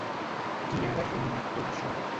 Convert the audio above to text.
Qui ha recriminat tot això?